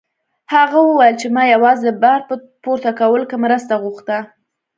هغه وویل چې ما یوازې د بار په پورته کولو کې مرسته غوښته.